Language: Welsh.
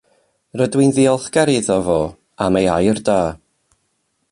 Rydw i yn ddiolchgar iddo fo am ei air da.